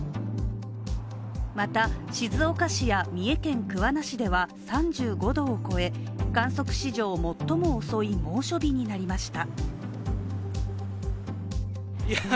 また静岡市や三重県桑名市では３５度を超え、観測史上最も遅い猛暑日になりました。